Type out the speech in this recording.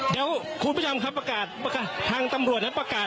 เดี๋ยวคุณผู้ชมครับประกาศประกาศทางตำรวจนะครับประกาศ